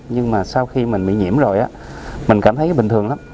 nhưng mà sau khi mình bị nhiễm rồi á mình cảm thấy bình thường lắm